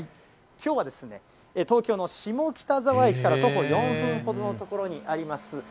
きょうは東京の下北沢駅から徒歩４分ほどの所にあります、